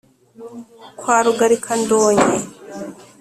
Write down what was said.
Kwa Rugarika-ndonyi